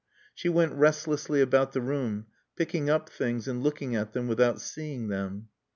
She went restlessly about the room, picking up things and looking at them without seeing them.